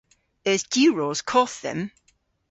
Eus diwros koth dhymm?